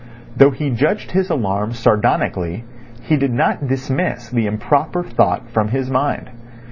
Though he judged his alarm sardonically he did not dismiss the improper thought from his mind.